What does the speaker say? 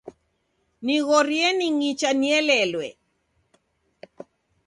Nighorie ning'icha nielelwe.